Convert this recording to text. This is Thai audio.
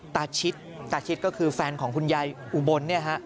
ชิดตาชิดก็คือแฟนของคุณยายอุบลเนี่ยฮะ